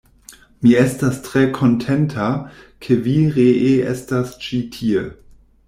Mi estas tre kontenta, ke vi ree estas ĉi tie.